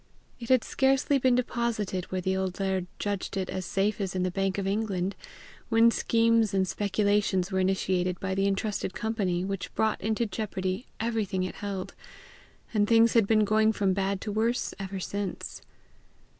It had scarcely been deposited where the old laird judged it as safe as in the Bank of England, when schemes and speculations were initiated by the intrusted company which brought into jeopardy everything it held, and things had been going from bad to worse ever since.